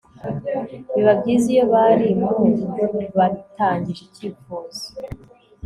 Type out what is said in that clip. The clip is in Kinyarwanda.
biba byiza iyo bari mu batangije icyifuzo